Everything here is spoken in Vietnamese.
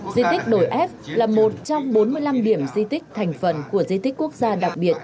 di tích đồi f là một trong bốn mươi năm điểm di tích thành phần của di tích quốc gia đặc biệt